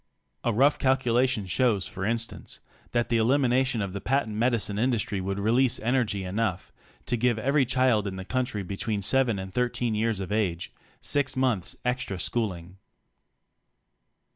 A rough calculation shows for instance that the elimination of the patent medicine industry would release energy enough to give every child in the country between 7 and 13 years of age, six months extra schooling.